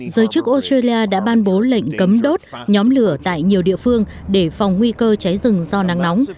giới chức australia đã ban bố lệnh cấm đốt nhóm lửa tại nhiều địa phương để phòng nguy cơ cháy rừng do nắng nóng